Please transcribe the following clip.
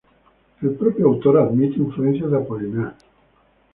El propio autor admite influencias de Apollinaire.